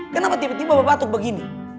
kenapa tiba tiba bapak atuk begini